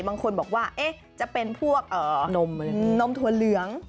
บางคนบอกว่าจะเป็นพวกนมถั่วเหลือง